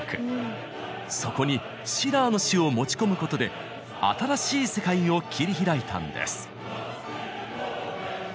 そこにシラーの詩を持ち込むことで新しい世界を切り開いたんです。